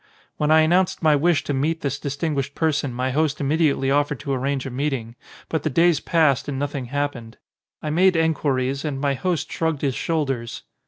When I announced my wish to meet this dis tinguished person my host immediately offered to arrange a meeting; but the days passed and nothing happened. I made enquiries and my host shrugged his shoulders.